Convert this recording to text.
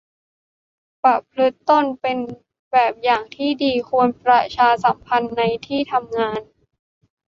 ประพฤติตนเป็นแบบอย่างที่ดี ควรประชาสัมพันธ์ในที่ทำงาน